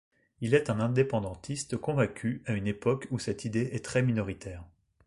Il est un indépendantiste convaincu à une époque où cette idée est très minoritaire.